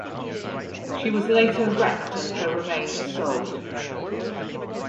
She was later wrecked and her remains sold.